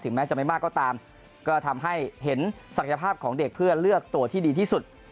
แม้จะไม่มากก็ตามก็ทำให้เห็นศักยภาพของเด็กเพื่อเลือกตัวที่ดีที่สุด